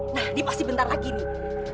nah dia pasti bentar lagi nih